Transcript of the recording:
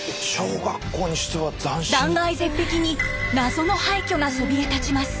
断崖絶壁に謎の廃虚がそびえ立ちます。